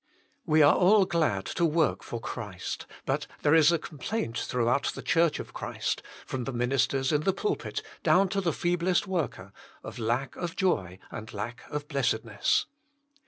We are all glad to work for Christ, but there is a complaint throughout the Church of Christ, from the ministers in the pulpit down to the feeblest worker, of lack of joy and lack of blessedness.